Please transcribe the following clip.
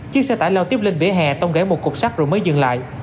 chiếc xe tải lao tiếp lên vỉa hè tông gãy một cục sắt rồi mới dừng lại